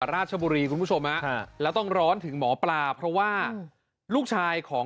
ราชบุรีคุณผู้ชมฮะแล้วต้องร้อนถึงหมอปลาเพราะว่าลูกชายของ